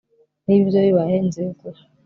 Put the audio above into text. niba ibyo bibaye, nzegura